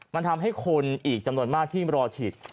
มันทำให้คนอีกจำนวนมากที่รอฉีด